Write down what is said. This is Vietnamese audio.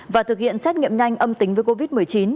và thực hiện xét nghiệm nhanh âm tính với covid một mươi chín